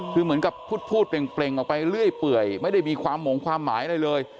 คือเหมือนกับพูดเปล่งออกไปเรื่อยเปื่อยไม่ได้มีความหมงความหมายอะไรเลย